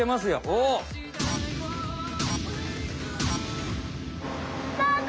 おお！スタート！